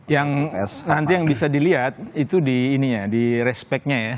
yang nanti yang bisa dilihat itu di ini ya di respect nya ya